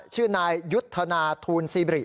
ชื่อนายยุทธนาทูลซีบริ